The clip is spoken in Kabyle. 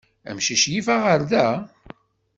Amcic yif aɣerda?